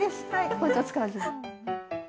包丁使わずに。